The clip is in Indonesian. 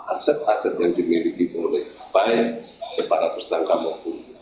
aset aset yang dimiliki oleh baik kepada tersangka maupun